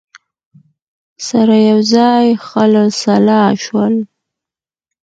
سره یوځای خلع سلاح شول